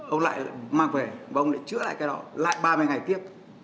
ông lại mang về và ông lại chữa lại cái đó lại ba mươi ngày tiếp